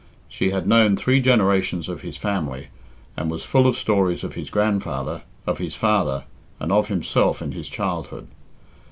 She had known three generations of his family, and was full of stories of his grandfather, of his father, and of himself in his childhood.